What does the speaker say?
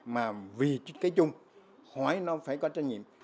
mà vì cái chung hỏi nó phải có trách nhiệm